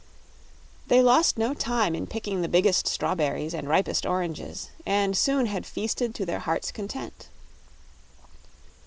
They lost no time in picking the biggest strawberries and ripest oranges and soon had feasted to their hearts' content.